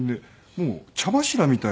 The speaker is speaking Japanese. もう茶柱みたいな。